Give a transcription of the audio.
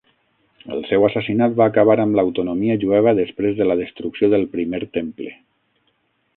El seu assassinat va acabar amb l'autonomia jueva després de la destrucció del Primer Temple.